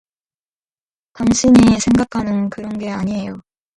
당신이 생각하는 그런게 아니에요.